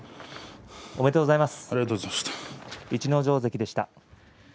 おめでとうございます。